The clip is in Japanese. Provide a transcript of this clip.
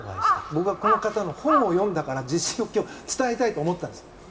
僕はこの方の本を読んだから今日、地震を伝えたいと思ったんです。